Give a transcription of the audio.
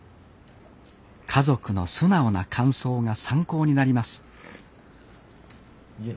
家族の素直な感想が参考になります